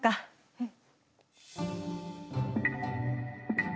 うん。